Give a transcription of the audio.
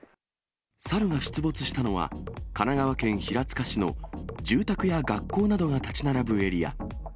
猿が出没したのは、神奈川県平塚市の住宅や学校などが建ち並ぶエリア。